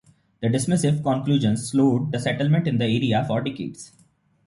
The dismissive conclusions slowed settlement in the area for decades.